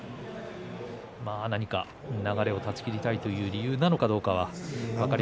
何か流れを断ち切りたいという理由なのかどうか。